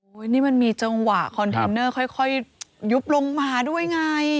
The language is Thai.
นี่มันมีจังหวะคอนเทนเนอร์ค่อยยุบลงมาด้วยไง